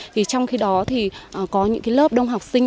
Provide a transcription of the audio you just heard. thì trong khi đó thì có những lớp đông học sinh